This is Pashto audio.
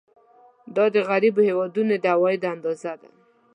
دا د غریبو هېوادونو د عوایدو اندازه ده.